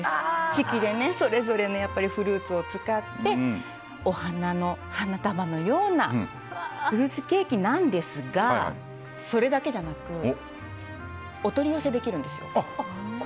四季でそれぞれのフルーツを使ってお花の花束のようなフルーツケーキなんですがそれだけじゃなくお取り寄せできるんですよ。